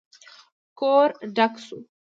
کور ډک شو.